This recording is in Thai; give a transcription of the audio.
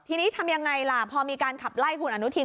ทีนี้ทำยังไงล่ะพอมีการขับไล่คุณอนุทิน